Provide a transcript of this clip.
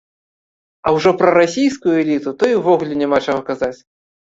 А ўжо пра расійскую эліту то і ўвогуле няма чаго казаць!